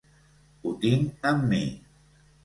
Ho tinc amb mi.